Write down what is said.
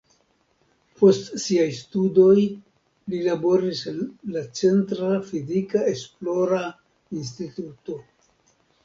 Post siaj studoj li laboris en la centra fizika esplora instituto.